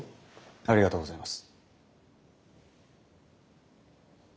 ありがとうございます。